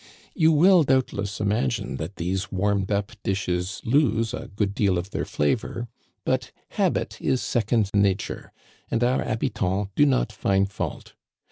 " You will, doubtless, imagine that these warmed up dishes lose a good deal of their flavor ; but habit is sec ond nature, and our habitants do not find fault.